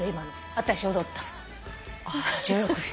私踊ったの１６秒。